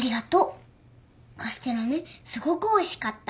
カステラねすごくおいしかった。